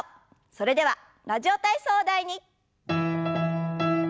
それでは「ラジオ体操第２」。